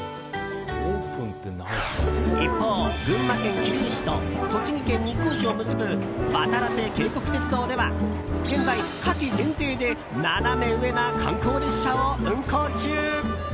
一方、群馬県桐生市と栃木県日光市を結ぶわたらせ渓谷鐵道では現在、夏季限定でナナメ上な観光列車を運行中。